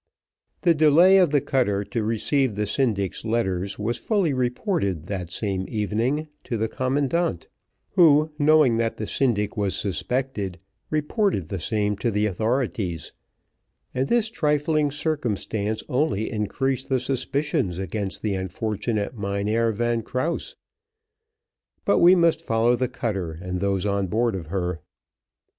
The delay of the cutter to receive the syndic's letters was fully reported the same evening to the commandant, who, knowing that the syndic was suspected, reported the same to the authorities, and this trifling circumstance only increased the suspicions against the unfortunate Mynheer Van Krause; but we must follow the cutter and those on board of her.